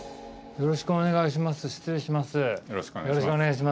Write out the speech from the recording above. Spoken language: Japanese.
よろしくお願いします。